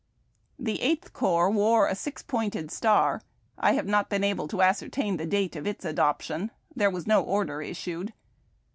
The Eighth Corps wore a six pointed star. I have not been able to ascertain the date of its adoption. There was no order issued.